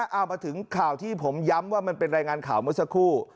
เอามาถึงข่าวที่ผมย้ำว่ามันเป็นรายงานข่าวเมื่อสักครู่